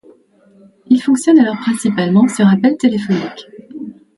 Il fonctionne alors principalement sur appel téléphonique.